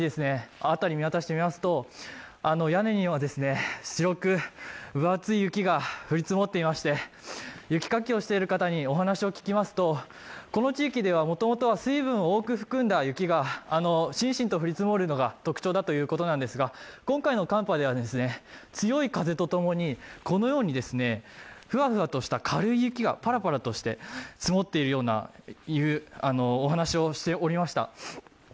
更に屋根には白く分厚い雪が降り積もっていまして、雪かきをしている方にお話を聞きますと、この地域ではもともとは水分を多く含んだ雪がしんしんと降り積もるのが特徴ということなんですが、今回の寒波では強い風と共に、ふわふわとした軽い雪がパラパラとして積もっているというお話をしておりました。